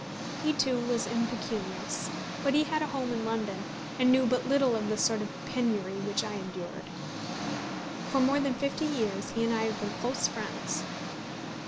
He, too, was impecunious, but he had a home in London, and knew but little of the sort of penury which I endured. For more than fifty years he and I have been close friends.